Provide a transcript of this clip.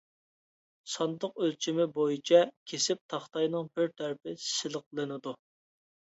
ساندۇق ئۆلچىمى بويىچە كېسىپ تاختاينىڭ بىر تەرىپى سىلىقلىنىدۇ.